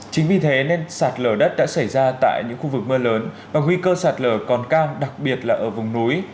chính vì thế nên sạt lở đất đã xảy ra tại những khu vực mưa lớn và nguy cơ sạt lở còn cao đặc biệt là ở vùng núi